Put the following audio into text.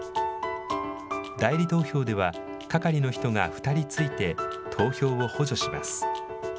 代理投票では係の人が２人ついて投票を補助します。